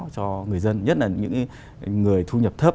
cho người dân nhất là những người thu nhập thấp